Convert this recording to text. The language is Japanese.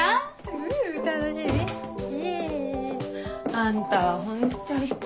あんたはホントに。